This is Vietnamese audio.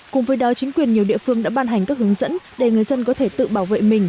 cùng với đó chính quyền nhiều địa phương đã ban hành các hướng dẫn để người dân có thể tự bảo vệ mình